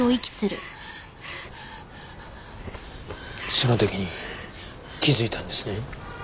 その時に気づいたんですね